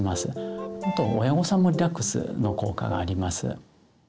あと親御さんもリラックスの効果があります。